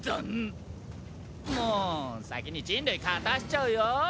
もう先に人類片しちゃうよ。